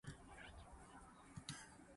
毋驚神，毋驚鬼